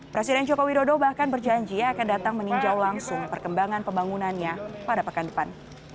presiden jokowi dodo bahkan berjanji akan datang meninjau langsung perkembangan pembangunannya pada pekan depan